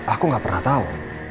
aku gak pernah tau